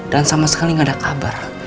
dan sama sekali gak ada kabar